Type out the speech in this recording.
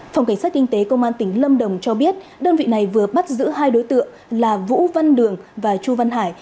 phòng cảnh sát kinh tế công an tỉnh lâm đồng cho biết đơn vị này vừa bắt giữ hai đối tượng là vũ văn đường và chu văn hải